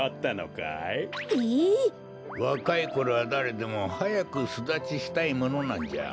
わかいころはだれでもはやくすだちしたいものなんじゃ。